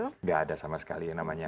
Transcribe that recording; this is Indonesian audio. tidak ada sama sekali yang namanya